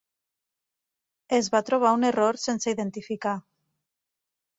Es va trobar un error sense identificar.